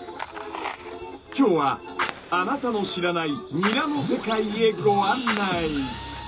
今日はあなたの知らないニラの世界へご案内。